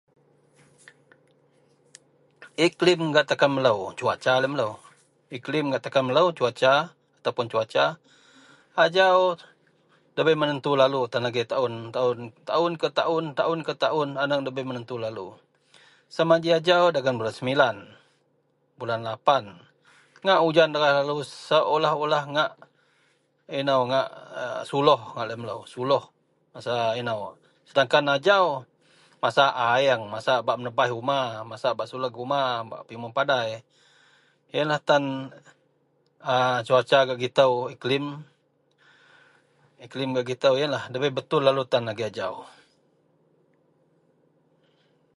Iklim atau cuaca gak takan. Melo debai menentu lalu ji taun ke taun. Adalah dibai menentu lalu sama ji ajau dagen bulan sembilan ujan deras angai lalu ngak sulih ji lau sedangkan ajau masa aying ba menebas uma padai ujanlah tan cuaca gak gitou debai betul lalu.